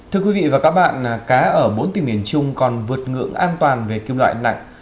thưa quý vị và các bạn cá ở bốn tỉnh miền trung còn vượt ngưỡng an toàn về kim loại nặng